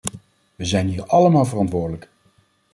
We zijn hier allemaal verantwoordelijk.